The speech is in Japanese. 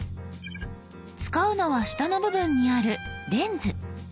使うのは下の部分にある「レンズ」。